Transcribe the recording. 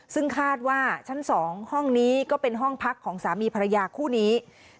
ซึ่งคาดว่าชั้น๒ห้องนี้ก็เป็นห้องพักของสามีภรรยาคู่นี้